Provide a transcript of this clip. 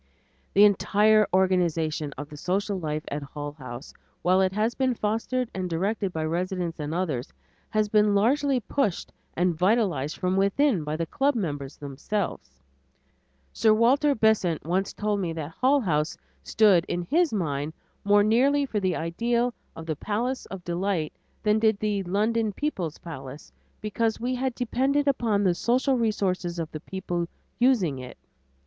The entire organization of the social life at Hull House, while it has been fostered and directed by residents and others, has been largely pushed and vitalized from within by the club members themselves. Sir Walter Besant once told me that Hull House stood in his mind more nearly for the ideal of the "Palace of Delight" than did the "London People's Palace" because we had depended upon the social resources of the people using it.